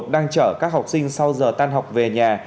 đang chở các học sinh sau giờ tan học về nhà